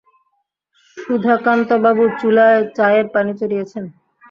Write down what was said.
সুধাকান্তবাবু চুলায় চায়ের পানি চড়িয়েছেন।